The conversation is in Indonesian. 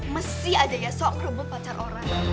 mesih aja ya sok kerubuk pacar orang